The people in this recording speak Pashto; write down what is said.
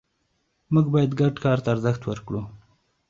موږ باید ګډ کار ته ارزښت ورکړو